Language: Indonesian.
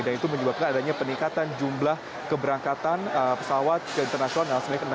dan itu menyebabkan adanya peningkatan jumlah keberangkatan pesawat ke internasional